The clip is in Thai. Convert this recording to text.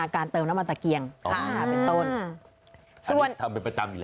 การเติมน้ำมันตะเกียงเป็นต้น